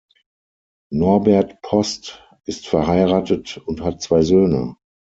Norbert Post ist verheiratet und hat zwei Söhne.